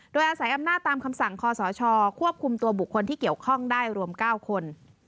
โดยอาศัยอำนาจตามคำสั่งคอสชควบคุมตัวบุคคลที่เกี่ยวข้องได้รวม๙คน